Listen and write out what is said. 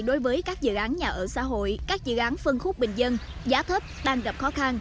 đối với các dự án nhà ở xã hội các dự án phân khúc bình dân giá thấp đang gặp khó khăn